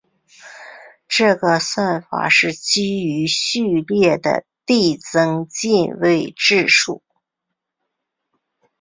这个算法是基于序列的递增进位制数。